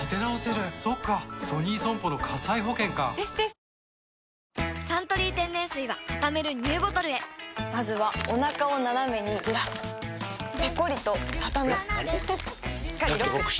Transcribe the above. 「ビオレ」「サントリー天然水」はたためるＮＥＷボトルへまずはおなかをナナメにずらすペコリ！とたたむしっかりロック！